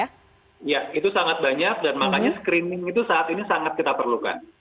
ya itu sangat banyak dan makanya screening itu saat ini sangat kita perlukan